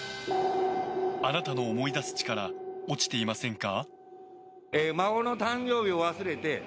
あなたの思い出す力落ちていませんか？